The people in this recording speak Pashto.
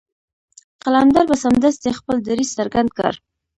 قلندر به سمدستي خپل دريځ څرګند کړ.